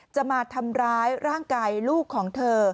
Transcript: จะมาทำร้ายร่างกายลูกของเธอ